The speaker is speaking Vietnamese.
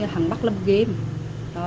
hàng bác làm game